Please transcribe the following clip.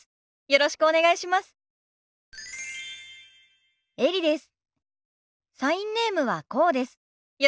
よろしくお願いします。